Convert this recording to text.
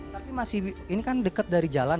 tapi masih ini kan dekat dari jalan